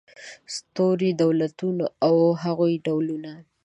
ستوري دولتونه او د هغوی ډولونه